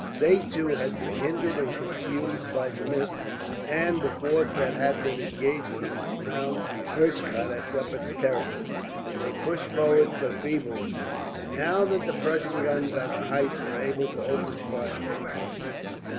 They too had been hindered and confused by the mist, and the force that had been engaged in and round Hochkirch had suffered terribly; and they pushed forward but feebly, now that the Prussian guns on the heights were able to open fire upon them.